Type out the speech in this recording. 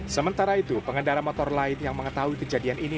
sementara itu pengendara motor lain yang mengetahui kejadian ini